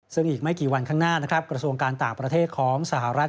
ซึ่งอีกไม่กี่วันข้างหน้านะครับกระทรวงการต่างประเทศของสหรัฐ